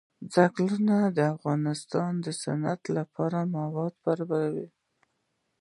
ځنګلونه د افغانستان د صنعت لپاره مواد برابروي.